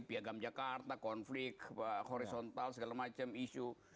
piagam jakarta konflik horizontal segala macam isu